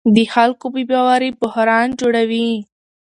د خلکو بې باوري بحران جوړوي